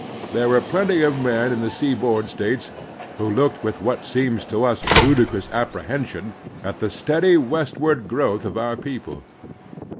There were plenty of men in the seaboard States who looked with what seems to us ludicrous apprehension at the steady westward growth of our people.